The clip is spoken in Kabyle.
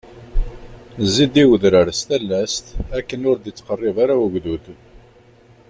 Zzi-d i wedrar s talast akken ur d-ittqerrib ara ugdud.